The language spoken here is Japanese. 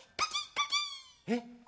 えっ？